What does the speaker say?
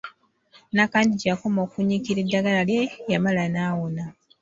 Nakandi gye yakoma okunyiikirira eddagala lye, yamala n'awona.